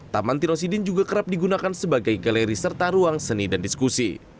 taman tirosidin juga kerap digunakan sebagai galeri serta ruang seni dan diskusi